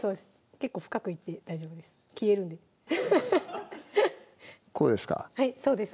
結構深くいって大丈夫です消えるんでこうですかはいそうです